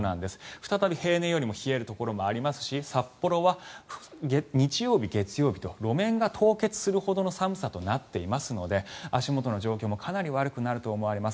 再び平年より冷えるところもありますし札幌は日曜日、月曜日と路面が凍結するほどの寒さとなっていますので足元の状況もかなり悪くなると思われます。